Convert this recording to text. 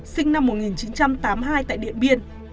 sinh năm một nghìn chín trăm tám mươi hai tại điện biên